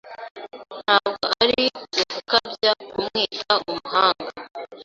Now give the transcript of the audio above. Ntabwo ari ugukabya kumwita umuhanga.